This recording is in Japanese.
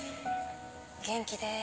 元気です。